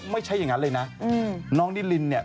ไม่ใช่อย่างนั้นเลยนะน้องนิรินเนี่ย